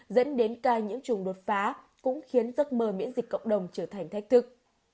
dẫn đến ca nhiễm trùng đột phá cũng khiến giấc mơ miễn dịch cộng đồng trở thành thách thức